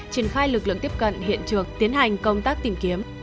triển khai lực lượng tiếp cận hiện trường tiến hành công tác tìm kiếm